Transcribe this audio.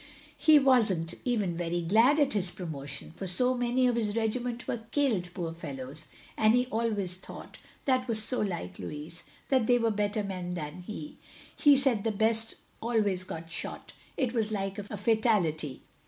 He was n't even very glad at his promotion — for so many of his regiment were killed, poor fellows; and he always thought — that was so like Louis, — ^that they were better men than he. He said the best always got shot — ^it was like a fatality.